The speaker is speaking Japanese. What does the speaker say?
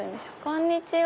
こんにちは。